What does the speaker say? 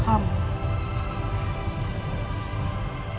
aku cuma ingin kasih tahu ke kamu